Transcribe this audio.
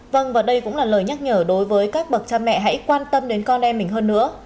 vâng và đây cũng là lời nhắc nhở đối với các bậc cha mẹ hãy quan tâm đến con em mình hơn nữa